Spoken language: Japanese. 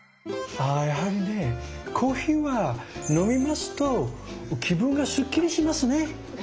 ああやはりねコーヒーは飲みますと気分がスッキリしますね。